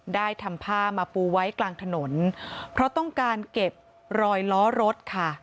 ได้ทำผ้ามาปูไว้กลางถนนเพราะต้องการเก็บรอยล้อรถค่ะ